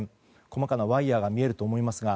細かなワイヤが見えるかと思いますが。